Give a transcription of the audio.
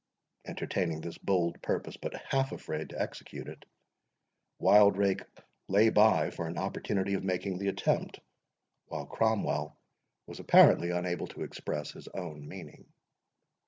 Entertaining this bold purpose, but half afraid to execute it, Wildrake lay by for an opportunity of making the attempt, while Cromwell was apparently unable to express his own meaning.